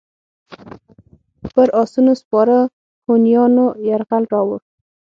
له ختیځه به پر اسونو سپاره هونیانو یرغل راووړ.